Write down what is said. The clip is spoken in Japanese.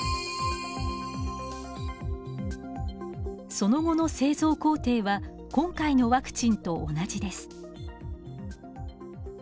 その後の製造工程は今回のワクチンと同じです。